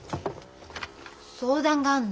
相談があんの。